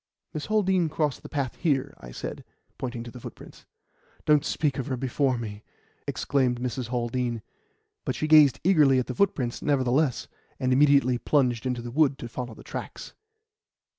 "Miss Haldean crossed the path here," I said, pointing to the footprints. "Don't speak of her before me!" exclaimed Mrs. Haldean; but she gazed eagerly at the footprints, nevertheless, and immediately plunged into the wood to follow the tracks.